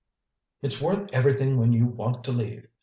"It's worth everything when you want to leave.